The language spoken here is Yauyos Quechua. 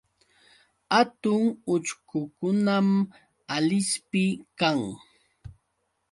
Hatun uchkukunam Alispi kan.